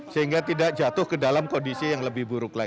sehingga tidak jatuh ke dalam kondisi yang lebih buruk lagi